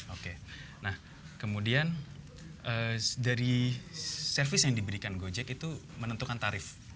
oke nah kemudian dari servis yang diberikan gojek itu menentukan tarif